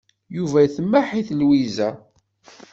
Yuba temmaḥ-it Lwiza.